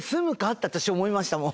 って私思いましたもん。